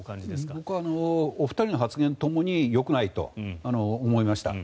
僕はお二人の発言ともによくないと思いました。